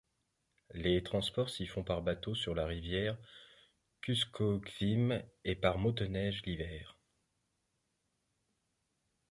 Les transports s'y font par bateaux sur la rivière Kuskokwim, et par motoneige l'hiver.